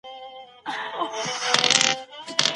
څرنګه چې ځوانان فعال وي، ټولنه به وروسته پاتې نه شي.